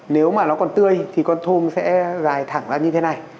nếu mà nó còn tươi thì con thôm sẽ dài thẳng ra như thế này